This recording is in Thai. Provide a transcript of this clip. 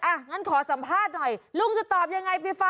าโครมีอยู่นั่นค่ะ